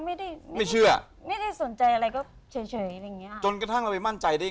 พอได้ยินอย่างนั้นโทรไปบอกน้องบอกแม่ไหม